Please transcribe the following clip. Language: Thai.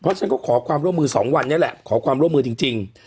เพราะฉะนั้นก็ขอความร่วมมือ๒วันนี้แหละขอความร่วมมือจริง